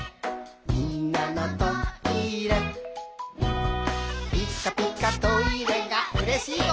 「みんなのトイレ」「ピカピカトイレがうれしいぞ」